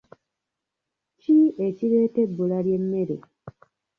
Ki ekireeta ebbula ly'emmere?